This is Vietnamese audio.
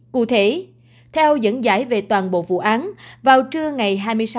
cụ thể theo dẫn dải về toàn bộ vụ án vào trưa ngày hai mươi sáu tháng